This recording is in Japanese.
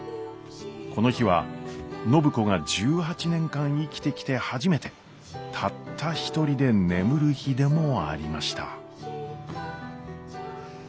この日は暢子が１８年間生きてきて初めてたった一人で眠る日でもありました。